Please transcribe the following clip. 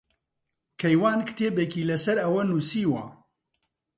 کەیوان کتێبێکی لەسەر ئەوە نووسیوە.